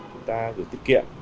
chúng ta gửi tiết kiệm